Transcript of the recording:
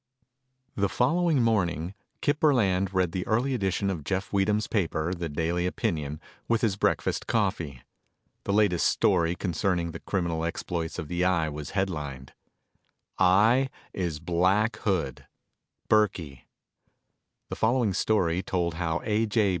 "_ The following morning, Kip Burland read the early edition of Jeff Weedham's paper, The Daily Opinion, with his breakfast coffee. The latest story concerning the criminal exploits of the Eye was headlined: "EYE IS BLACK HOOD" BURKEY The following story told how A. J.